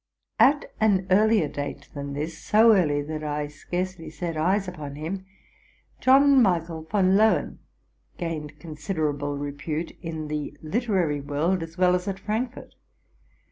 At an earlier date than this, —so early that I scarcely set eyes upon him, —John Michael von Loen gained con siderable repute in the literary world as well as at Frank fort.